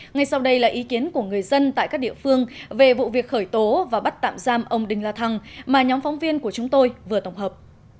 ngay sau đây là ý kiến của người dân tại các địa phương về vụ việc khởi tố và bắt tạm giam ông đinh la thăng mà nhóm phóng viên của chúng tôi vừa tổng hợp